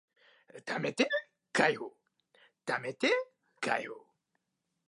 大分県由布市庄内町